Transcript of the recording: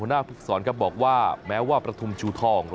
หัวหน้าภูมิสอนครับบอกว่าแม้ว่าประธุมชูทอง